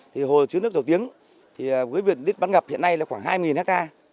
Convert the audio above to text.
thì hồ chứa nước dầu tiếng thì với việc đít bán ngập hiện nay là khoảng hai ha